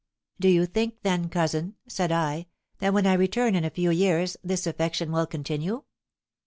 "Do you think then, cousin," said I, "that when I return in a few years this affection will continue?"